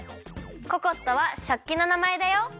ココットはしょっきのなまえだよ。